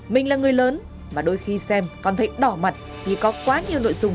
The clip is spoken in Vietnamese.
mình là người lớn mà đôi khi xem con thấy đỏ mặt vì có quá nhiều nội dung